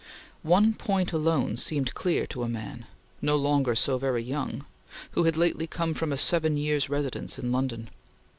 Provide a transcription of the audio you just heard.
One point alone seemed clear to a man no longer so very young who had lately come from a seven years' residence in London.